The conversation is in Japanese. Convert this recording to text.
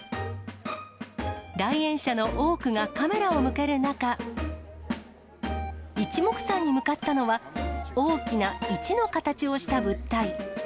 来園者の多くがカメラを向ける中、いちもくさんに向かったのは、大きな１の形をした物体。